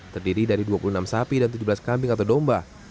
terdiri dari dua puluh enam sapi dan tujuh belas kambing atau domba